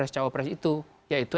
cawapres itu yaitu